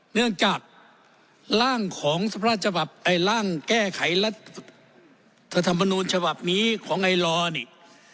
เนื่องจากร่างของพระราชบับไอ้ร่างแก้ไขรัฐธรรมนูญฉบับนี้ของไอลอนี่